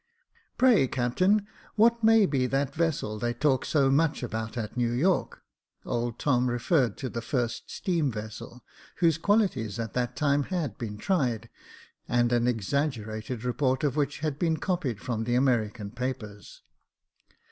" Pray, captain, what may be that vessel they talk so much about at New York ?" Old Tom referred to the first steam vessel, whose qualities at that time had been tried, and an exaggerated report of which had been copied from the American papers.